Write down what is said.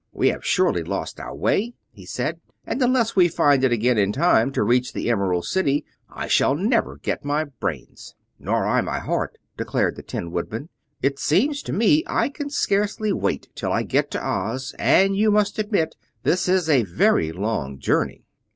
"We have surely lost our way," he said, "and unless we find it again in time to reach the Emerald City, I shall never get my brains." "Nor I my heart," declared the Tin Woodman. "It seems to me I can scarcely wait till I get to Oz, and you must admit this is a very long journey."